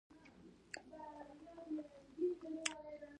د زعفرانو پیاز څو کاله په ځمکه کې پاتې کیږي؟